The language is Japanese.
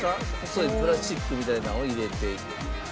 細いプラスチックみたいなんを入れていく。